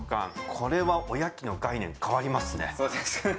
これは、おやきの概念変わりますね。